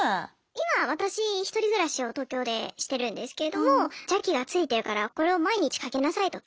今私１人暮らしを東京でしてるんですけれども邪気がついてるからこれを毎日かけなさいと。